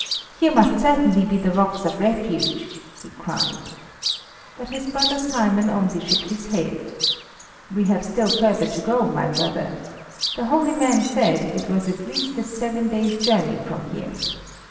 "Here must certainly be the Rocks of Refuge," he cried. But his brother Simon only shook his head. "We have still further to go, my brother. The holy man said it was at least a seven days' journey from here."